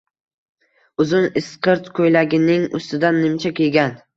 Uzun, isqirt ko‘ylagining ustidan nimcha kiygan